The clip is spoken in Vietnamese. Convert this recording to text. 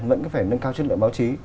vẫn phải nâng cao chất lượng báo chí